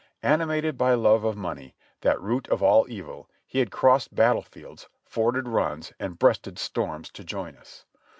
Animated by love of money, that "root of all evil," he had crossed battle fields, forded runs and breasted storms to join us.